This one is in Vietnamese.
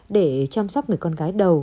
để chăm sóc người con gái đầu